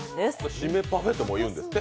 シメパフェと言うんですって。